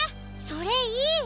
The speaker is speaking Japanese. それいい！